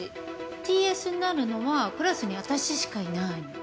Ｔ・Ｓになるのはクラスにあたししかいないの。